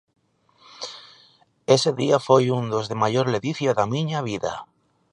Ese día foi un dos de maior ledicia da miña vida.